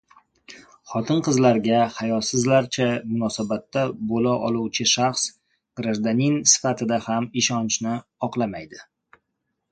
Xotin-qizlarga hayosizlarcha munosabatda bo‘la oluvchi shaxs grajdanin sifatida ham ishonchini oqlamaydi;